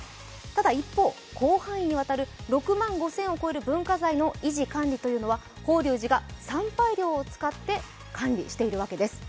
ただ一方、広範囲にわたる６万５０００を超える文化財の維持管理というのは法隆寺が参拝料を使って管理しているわけです。